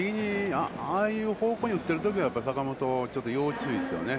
ああいう方向に打ってるときは、坂本、要注意ですよね。